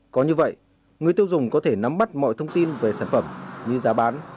có như vậy người tiêu dùng có thể nắm bắt mọi thông tin về sản phẩm như giá bán